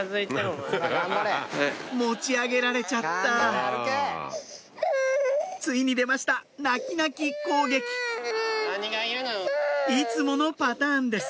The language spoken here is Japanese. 持ち上げられちゃったついに出ました泣き泣き攻撃いつものパターンです